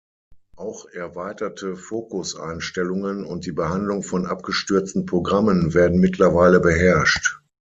Auch erweiterte Fokus-Einstellungen und die Behandlung von abgestürzten Programmen werden mittlerweile beherrscht.